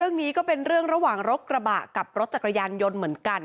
เรื่องนี้ก็เป็นเรื่องระหว่างรถกระบะกับรถจักรยานยนต์เหมือนกัน